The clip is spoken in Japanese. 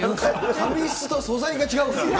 髪質と素材が違うからな。